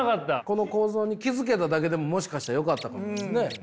この構造に気付けただけでももしかしたらよかったかもですね。